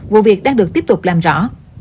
vụ việc đang được tiếp tục làm rõ